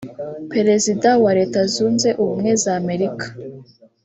Perezida wa Leta Zunze Ubumwe za Amerika